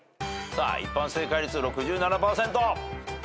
さあ一般正解率６７％。